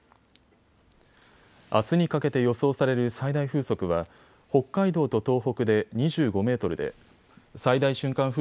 あすにかけて予想される最大風速は北海道と東北で２５メートルで最大瞬間